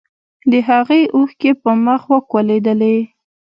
د هغې اوښکې په مخ وکولېدلې.